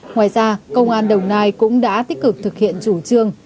ngoài ra công an đồng nai cũng đã tích cực thực hiện chủ trương